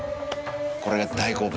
これが大好物。